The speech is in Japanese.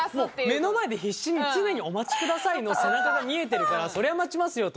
目の前で必死に常にお待ちくださいの背中が見えてるからそりゃ待ちますよと。